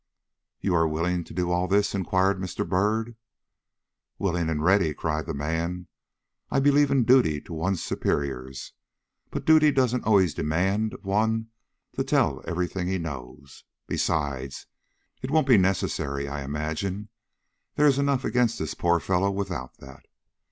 "You are willing to do all this?" inquired Mr. Byrd. "Willing and ready," cried the man. "I believe in duty to one's superiors, but duty doesn't always demand of one to tell every thing he knows. Besides, it won't be necessary, I imagine. There is enough against this poor fellow without that."